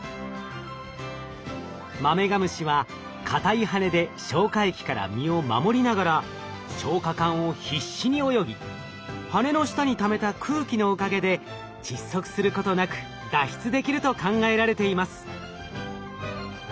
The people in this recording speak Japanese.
マメガムシは硬い羽で消化液から身を守りながら消化管を必死に泳ぎ羽の下にためた空気のおかげで窒息することなく脱出できると考えられています。